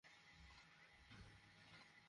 তারপর তিনি চলতে লাগলেন।